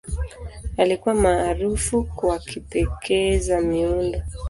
Alikuwa maarufu kwa kipekee za miundo.